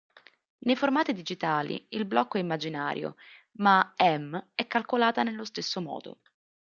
Nei formati digitali il blocco è immaginario, ma "em" è calcolata nello stesso modo.